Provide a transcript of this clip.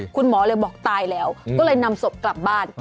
คุณหมอเลยบอกตายแล้วก็เลยนำศพกลับบ้าน